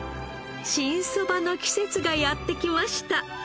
新そばの季節がやって来ました。